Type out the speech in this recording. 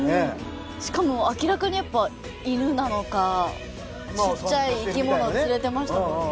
しかも明らかにやっぱ犬なのかちっちゃい生き物を連れてましたもんね。